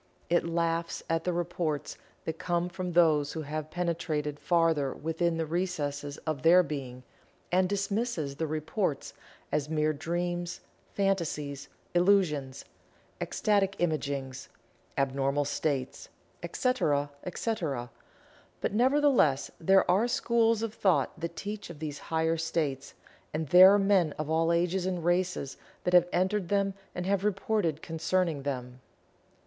It laughs at the reports that come from those who have penetrated farther within the recesses of their being, and dismisses the reports as mere "dreams," "fantasies," "illusions," "ecstatic imaginings," "abnormal states," etc., etc. But, nevertheless, there are schools of thought that teach of these higher states, and there are men of all ages and races that have entered them and have reported concerning them.